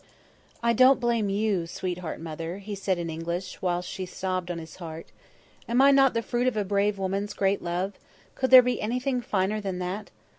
"I don't blame you, sweetheart mother," he said in English, whilst she sobbed on his heart. "Am I not the fruit of a brave woman's great love? Could there be anything finer than that?